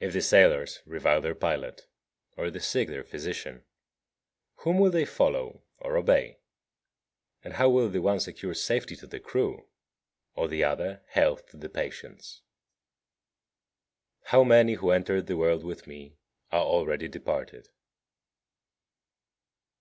55. If the sailors revile their pilot, or the sick their physician, whom will they follow or obey? And how will the one secure safety to the crew, or the other health to the patients? 56. How many who entered the world with me are already departed!